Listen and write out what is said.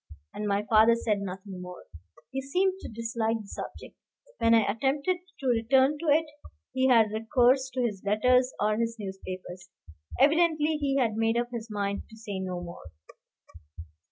And my father said nothing more; he seemed to dislike the subject. When I attempted to return to it, he had recourse to his letters or his newspapers. Evidently he had made up his mind to say no more.